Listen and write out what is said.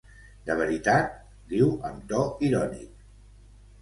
De veritat?, diu amb to irònic.